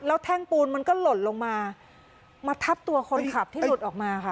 แล้วแท่งปูนมันก็หล่นลงมามาทับตัวคนขับที่หลุดออกมาค่ะ